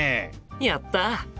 やった！